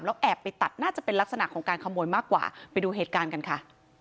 แล้วแอบไปตัดน่าจะเป็นลักษณะของการขโมยมากกว่าไปดูเหตุการณ์กันค่ะ